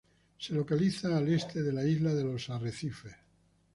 Se localiza al este de la isla de los Arrecifes.